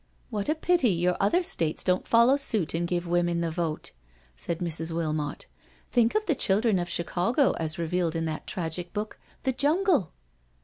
*'" What a pity your other States don't follow suit and give women the vote," said Mrs. Wilmot. " Think of the children of Chicago as revealed in that tragic book. The Jungle!